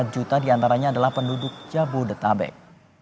dua puluh delapan empat juta diantaranya adalah penduduk jabodetabek